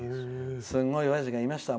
すごいおやじがいました。